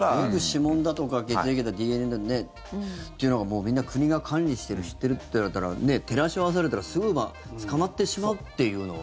指紋だとか血液だとかＤＮＡっていうのがもう国が管理してる知ってるっていったら照らし合わされたらすぐ捕まってしまうというのは。